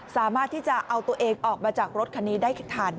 สามารถที่จะเอาตัวเองออกมาจากรถคันนี้ได้ทัน